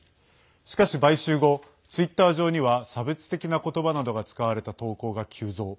しかし買収後、ツイッター上には差別的な言葉などが使われた投稿が急増。